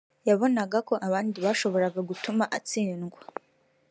yabonaga ko abandi bashoboraga gutuma atsindwa